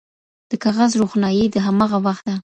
د کاغذ روښنایي د هماغه وخت ده.